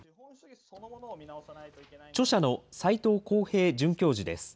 著者の斎藤幸平准教授です。